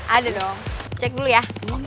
ada dong cek dulu ya